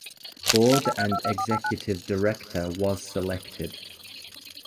Board and Executive Director was selected.